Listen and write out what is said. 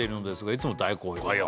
「いつも大好評です」